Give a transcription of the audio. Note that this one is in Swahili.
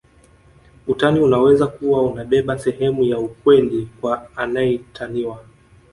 Utani unaweza kuwa unabeba sehemu ya ukweli kwa anaetaniwa